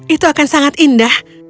itu akan sangat indah